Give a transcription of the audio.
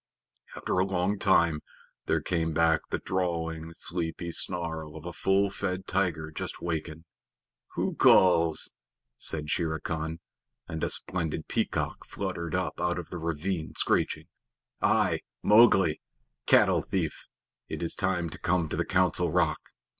After a long time there came back the drawling, sleepy snarl of a full fed tiger just wakened. "Who calls?" said Shere Khan, and a splendid peacock fluttered up out of the ravine screeching. "I, Mowgli. Cattle thief, it is time to come to the Council Rock!